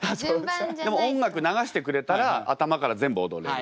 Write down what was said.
でも音楽流してくれたら頭から全部踊れるけど。